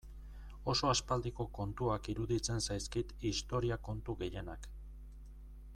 Oso aspaldiko kontuak iruditzen zaizkit historia kontu gehienak.